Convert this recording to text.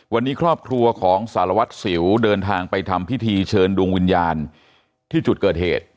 วันนี้ครอบครัวของสารวัตรสิวเดินทางไปทำพิธีเชิญดวงวิญญาณที่จุดเกิดเหตุ